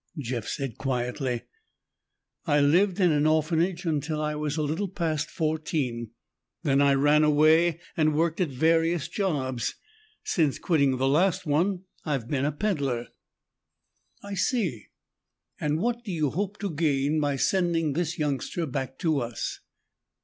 Jeff said quietly, "I lived in an orphanage until I was a little past fourteen. Then I ran away and worked at various jobs. Since quitting the last one, I've been a peddler." "I see. And what do you hope to gain by sending this youngster back to us?"